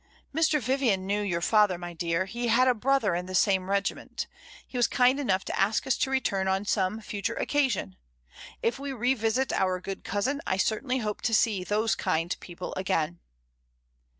"Mr. Vivian knew your father, my dear, he had a brother in the same regiment. He was kind enough to ask us to return on some future occa sion; if we revisit our good cousin, I certainly hope to see those kind people again."